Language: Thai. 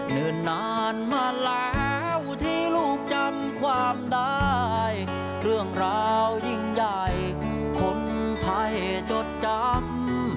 เดินนานมาแล้วที่ลูกจำความได้เรื่องราวยิ่งใหญ่คนไทยจดจำ